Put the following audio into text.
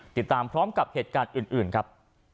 ติดตามพร้อมกับเหตุการณ์อื่นครับ